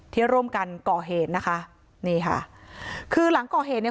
ที่ร่วมกันก่อเหตุนะคะนี่ค่ะคือหลังก่อเหตุเนี่ย